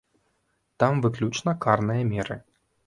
Там выключна карныя меры.